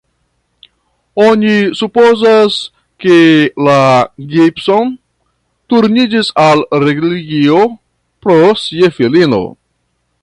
Oni supozas, ke la Gibson turniĝis al religio pro sia filino.